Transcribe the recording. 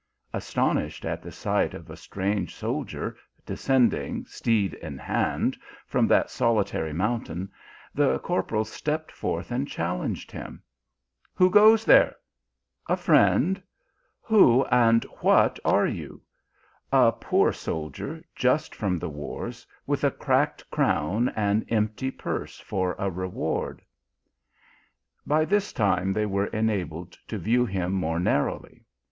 Astonished at the sight of a strange soldier de scending, steed in hand, from that solitary moun tain, the corporal stepped forth and challenged him. " Who goes there ?" QOVEltXOll MANCO AND SOLDIER. 251 " A friend." "Who, and what are you?" " A poor soldier, just from the wars, with a cracked crown and empty purse for a reward." By this time they were enabled to view him more narrowly.